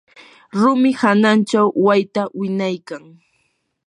rumi hananchaw wayta winaykan.